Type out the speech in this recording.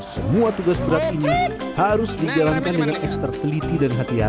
semua tugas berat ini harus dijalankan dengan ekster teliti dan hati hati